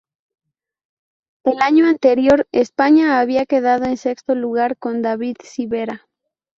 El año anterior, España había quedado en sexto lugar con David Civera.